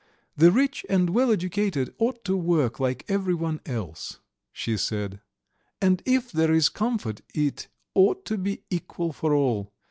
"The rich and well educated ought to work like everyone else," she said, "and if there is comfort it ought to be equal for all.